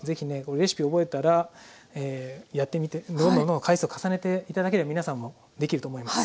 レシピを覚えたらやってみてどんどんどんどん回数を重ねて頂ければ皆さんもできると思います。